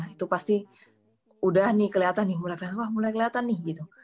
itu pasti udah nih kelihatan nih mulai kelihatan nih gitu